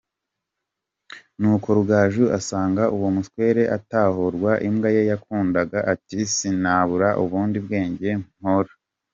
Nuko Rugaju asanga uwo muswere atahorwa imbwa ye yakundaga, ati sinzabura ubundi bwega mpora.